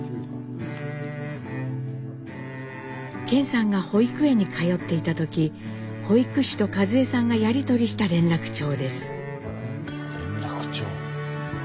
顕さんが保育園に通っていた時保育士と和江さんがやり取りした連絡帳です。